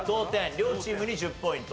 両チームに１０ポイント。